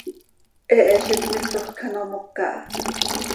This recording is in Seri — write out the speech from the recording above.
He Hezitmisoj quij ano moca ha.